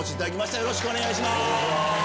よろしくお願いします。